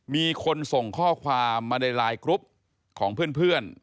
มีคนส่งข้อความมาในไลน์กรุ๊ปของเพื่อน